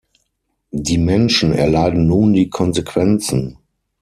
Die Menschen erleiden nun die Konsequenzen.